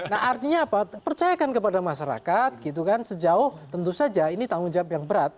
nah artinya apa percayakan kepada masyarakat gitu kan sejauh tentu saja ini tanggung jawab yang berat